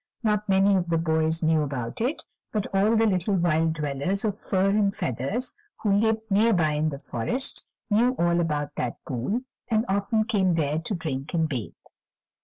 Not many of the boys knew about it, but all the little wild dwellers of fur and feathers, who lived near by in the forest, knew all about that pool, and often came there to drink and bathe.